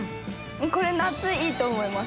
これ夏いいと思います。